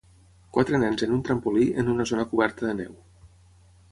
Quatre nens en un trampolí, en una zona coberta de neu.